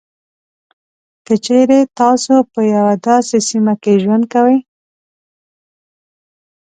که چېري تاسو په یوه داسې سیمه کې ژوند کوئ.